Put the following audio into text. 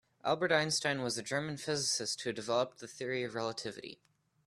Albert Einstein was a German physicist who developed the Theory of Relativity.